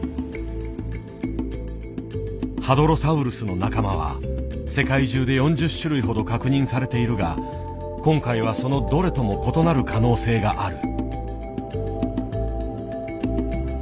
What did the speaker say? ハドロサウルスの仲間は世界中で４０種類ほど確認されているが今回はそのどれとも異なる可能性がある。